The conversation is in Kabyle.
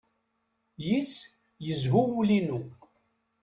Yis-s yezhu wul-inu.